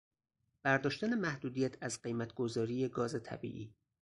برداشتن محدودیت از قیمت گذاری گاز طبیعی